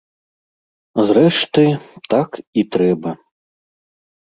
Зрэшты, так і трэба.